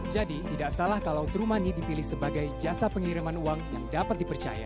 jadi tidak salah kalau true money dipilih sebagai jasa pengiriman uang yang dapat dipercaya